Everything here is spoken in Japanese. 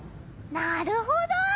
なるほど！